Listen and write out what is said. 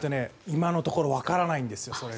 今のところ分からないんです。